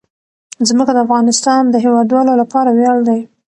ځمکه د افغانستان د هیوادوالو لپاره ویاړ دی.